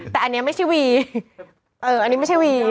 คนที่แบบ